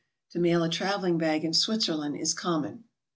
To mail a traveling bag in Switzer land is common.